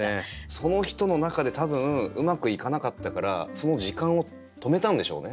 その人の中で多分うまくいかなかったからその時間を止めたんでしょうね。